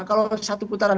kalau satu putaran